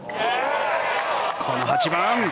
この８番。